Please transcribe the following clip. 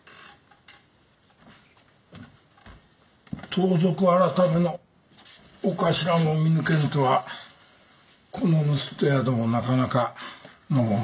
盗賊改の長官も見抜けぬとはこの盗人宿もなかなかのものだのう。